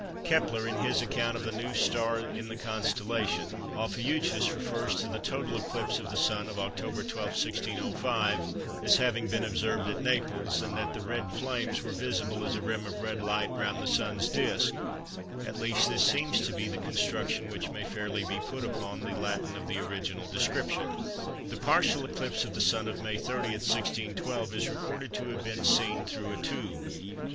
Kepler in his account of the new star in the constellation Ophiuchus refers to the total eclipse of the Sun of October 12, 1605, as having been observed at Naples, and that the "Red Flames" were visible as a rim of red light round the Sun's disc: at least this seems to be the construction which may fairly be put upon the Latin of the original description. The partial eclipse of the Sun of May 30, 1612, is recorded to have been seen "through a tube."